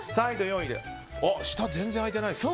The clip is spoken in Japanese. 下、全然開いてないですね。